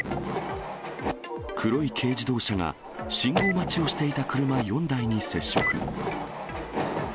黒い軽自動車が、信号待ちをしていた車４台に接触。